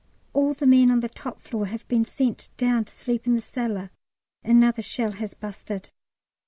All the men on the top floor have been sent down to sleep in the cellar; another shell has busted.